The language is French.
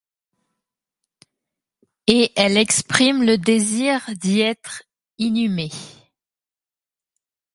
Et elle exprime le désir d'y être inhumée.